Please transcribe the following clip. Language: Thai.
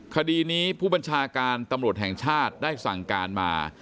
คดีนี้ผู้บัญชาการตำรวจแห่งชาติได้สั่งการมา